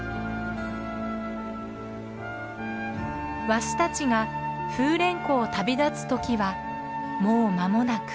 ワシたちが風蓮湖を旅立つ時はもう間もなく。